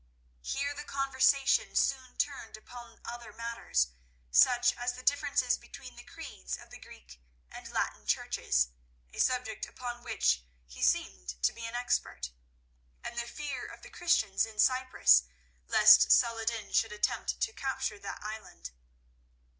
Here the conversation soon turned upon other matters, such as the differences between the creeds of the Greek and Latin churches—a subject upon which he seemed to be an expert—and the fear of the Christians in Cyprus lest Saladin should attempt to capture that island.